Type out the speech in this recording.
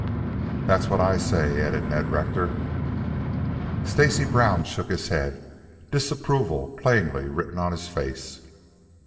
"That's what I say," added Ned Rector. Stacy Brown shook his head, disapproval plainly written on his face.